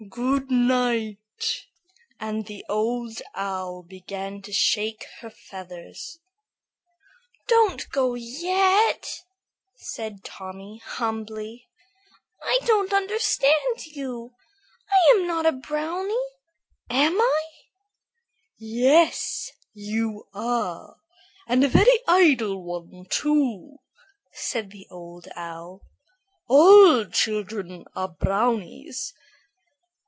Good night;" and the Old Owl began to shake her feathers. "Don't go yet," said Tommy, humbly; "I don't understand you. I am not a brownie, am I?" "Yes, you are, and a very idle one, too," said the Old Owl. "All children are brownies."